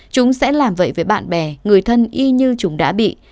chúng sẽ làm vậy với bạn bè người thân y như chúng đã bị